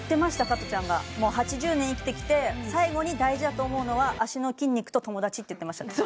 加トちゃんがもう８０年生きてきて最後に大事だと思うのは脚の筋肉と友達って言ってましたね